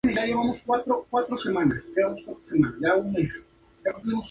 El artista lo ha representado en un momento de estudio, de trabajo y reflexión.